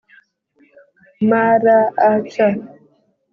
M R A C